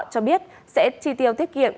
cho biết sẽ chi tiêu thiết kiệm